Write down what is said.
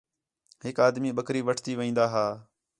ہِک آدمی بکری وٹھتی وین٘دا ہا